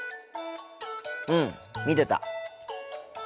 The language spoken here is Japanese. うん見てた。